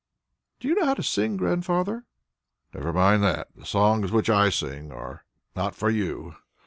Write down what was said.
"Do you know how to sing, too, Grandfather?" "Never mind that. The songs which I sing are not for you.